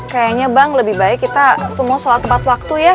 kayaknya bang lebih baik kita semua soal tepat waktu ya